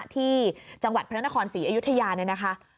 ที่จังหวัดพระนครศรีอยุธยาเนี่ยนะคะ